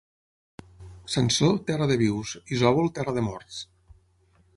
Sansor, terra de vius; Isòvol, terra de morts.